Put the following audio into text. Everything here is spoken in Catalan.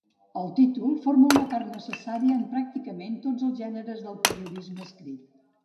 El títol forma una part necessària en pràcticament tots els gèneres del periodisme escrit.